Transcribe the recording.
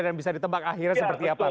dan bisa ditebak akhirnya seperti apa